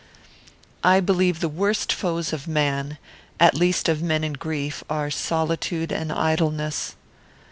"I believe the worst foes of man, at least of men in grief, are solitude and idleness.